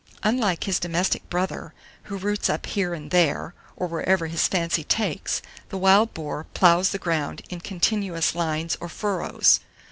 Unlike his domestic brother, who roots up here and there, or wherever his fancy takes, the wild boar ploughs the ground in continuous lines or furrows.